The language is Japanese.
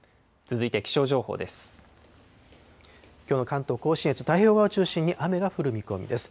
関東甲信越、太平洋側を中心に雨が降る見込みです。